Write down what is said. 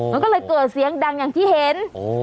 มันก็เลยเกิดเสียงดังอย่างที่เห็น